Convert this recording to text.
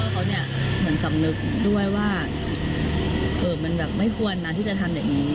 เธอเหมือนสำนึกด้วยว่ามันไม่ควรที่จะทำแบบนี้